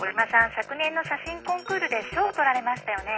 昨年の写真コンクールで賞取られましたよね？